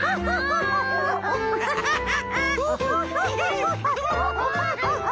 ハハハハ！